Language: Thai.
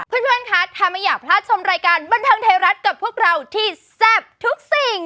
เพื่อนคะถ้าไม่อยากพลาดชมรายการบันเทิงไทยรัฐกับพวกเราที่แซ่บทุกสิ่ง